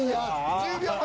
１０秒前。